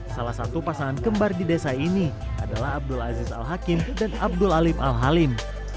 salah satu pasangan kembar di desa ini adalah abdul aziz al hakim dan abdul alim al halim